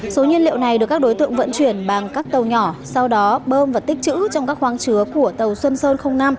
số nhiên liệu này được các đối tượng vận chuyển bằng các tàu nhỏ sau đó bơm và tích chữ trong các khoáng chứa của tàu xuân sơn năm